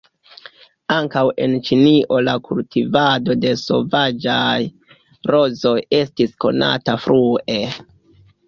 Ankaŭ en Ĉinio la kultivado de sovaĝaj rozoj estis konata frue.